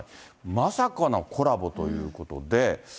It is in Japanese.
まさかのコラボということで。